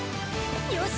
よし！